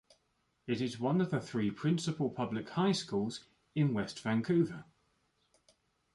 It is one of the three principal public high schools in West Vancouver.